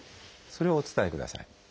それをお伝えください。